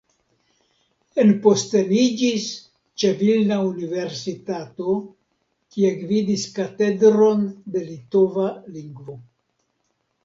Enposteniĝis ĉe Vilna Universitato, kie gvidis Katedron de Litova Lingvo.